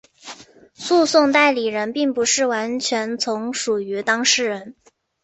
诉讼代理人并不是完全从属于当事人。